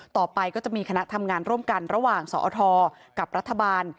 ก็จะมีคณะทำงานร่วมกันระหว่างสอทกับรัฐบาล